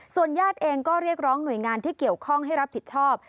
ญาติเองก็เรียกร้องหน่วยงานที่เกี่ยวข้องให้รับผิดชอบ